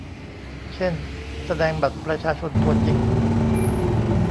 เช่น แสดงบัตรประชาชนตัวจริง